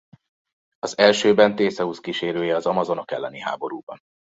Az elsőben Thészeusz kísérője az amazonok elleni háborúban.